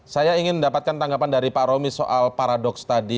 saya ingin mendapatkan tanggapan dari pak romi soal paradoks tadi